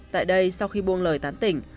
tại đây sau khi buông lời tán tỉnh